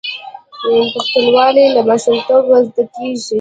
پښتونولي له ماشومتوبه زده کیږي.